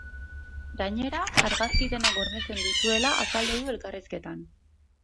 Gainera, argazki denak gordetzen dituela azaldu du elkarrizketan.